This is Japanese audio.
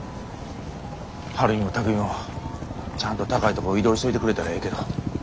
晴美も巧海もちゃんと高いとこ移動しといてくれたらええけど。